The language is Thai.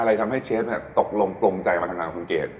ทำให้เชฟตกลงปลงใจมาทำงานกับคุณเกด